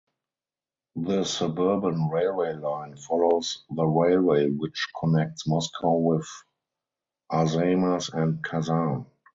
The suburban railway line follows the railway which connects Moscow with Arzamas and Kazan.